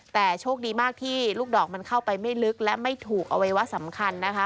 แต่โชคดีมากที่ลูกดอกมันเข้าไปไม่ลึกและไม่ถูกอวัยวะสำคัญนะคะ